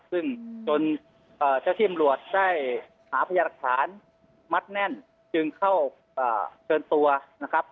ซึ่งจนเจ้าที่อำรวจได้หาพยาหลักฐานมัดแน่นจึงเข้าเชิญตัวนะครับ